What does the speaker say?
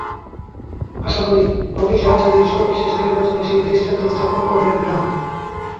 আশা করি, রকিব সাহেব তাঁদের সর্বশেষ নির্বাচনে সেই দৃষ্টান্ত স্থাপন করবেন না।